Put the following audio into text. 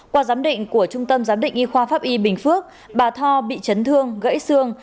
qua giám định của trung tâm giám định y khoa pháp y bình phước bà tho bị chấn thương gãy xương